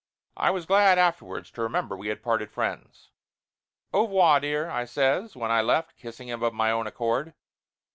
I was glad afterwards to remember we had parted friends. "Au revoir, dear!" I says when I left, kissing him of my own accord.